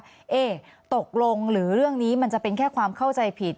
เอ๊ะตกลงหรือเรื่องนี้มันจะเป็นแค่ความเข้าใจผิด